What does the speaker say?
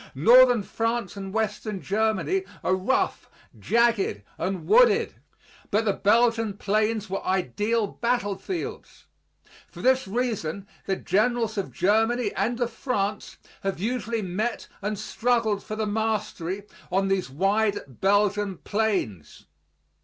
Northern France and Western Germany are rough, jagged and wooded, but the Belgian plains were ideal battlefields. For this reason the generals of Germany and of France have usually met and struggled for the mastery on these wide Belgian plains.